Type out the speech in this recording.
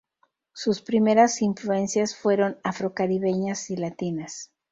Sus primeras influencias fueron Afro-Caribeñas y latinas.